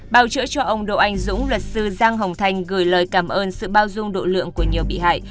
bào chữa cho ông đỗ anh dũng luật sư giang hồng thành gửi lời cảm ơn sự bao dung độ lượng của nhiều bị hại